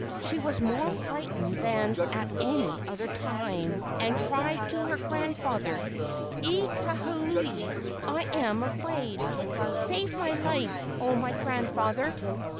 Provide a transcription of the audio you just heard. She was more frightened than at any other time, and cried to her grandfather: "E Kahuli, I am afraid! Save my life, O my grandfather!"